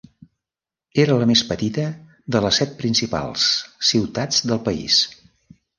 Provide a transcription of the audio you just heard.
Era la més petita de les set principals ciutats del país.